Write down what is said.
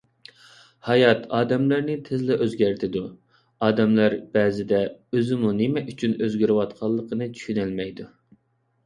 ھايات ئادەملەرنى تېزلا ئۆزگەرتىدۇ، ئادەملەر بەزىدە ئۆزىمۇ نېمە ئۈچۈن ئۆزگىرىۋاتقانلىقىنى چۈشىنەلمەيدۇ.